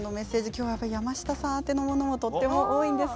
今日は山下さん宛てのものがとても多いです。